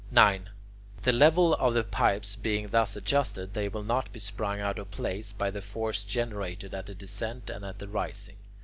9. The level of the pipes being thus adjusted, they will not be sprung out of place by the force generated at the descent and at the rising.